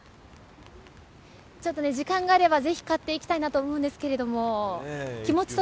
ちょっと、時間があればぜひ買っていたいなと思うんですけれども。